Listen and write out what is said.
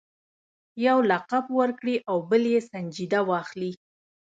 یو لقب ورکړي او بل یې سنجیده واخلي.